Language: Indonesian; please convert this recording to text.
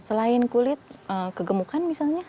selain kulit kegemukan misalnya